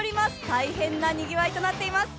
大変なにぎわいとなっております。